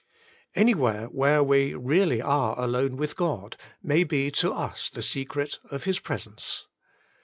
Anywhere where we really are Alone with God may be to us the secret of His presence.